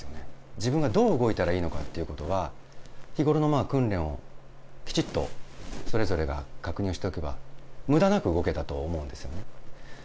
自分がどう動いたらいいのかっていうことは、日頃の訓練をきちっとそれぞれが確認をしておけば、むだなく動けたと思うんですよね。